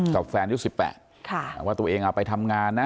กับแฟนยุค๑๘ว่าตัวเองไปทำงานนะ